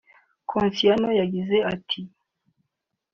Kassiano yagize ati